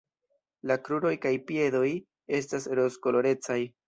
La kruroj kaj piedoj estas rozkolorecaj.